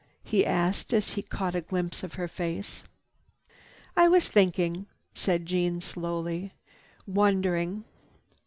he asked as he caught a glimpse of her face. "I was thinking," said Jeanne slowly. "Wondering.